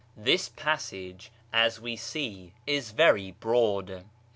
This passage, as we see, is very broad.